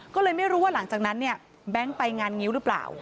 ก็เลยไม่รู้ว่าหลังจากนั้นเนี่ยแบงค์ไปงานงิ้วหรือเปล่า